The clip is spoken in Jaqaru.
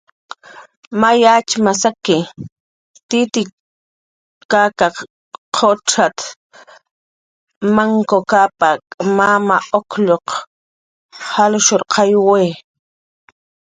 "May atxmaq saki, Titikak qucxat""mn Manku Kapak, Mama Uklluq salshurqayawi"